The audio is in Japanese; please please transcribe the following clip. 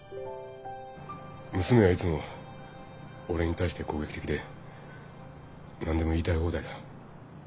娘はいつも俺に対して攻撃的で何でも言いたい放題だ。